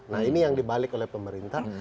nah ini yang dibalik oleh pemerintah